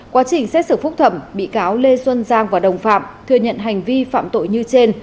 quá trình xét xử phúc thẩm bị cáo lê xuân giang và đồng phạm thừa nhận hành vi phạm tội như trên